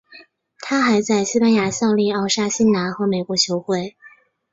他还在西班牙效力奥沙辛拿和美国球会。